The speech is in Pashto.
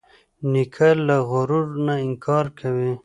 نیکه له غرور نه انکار کوي.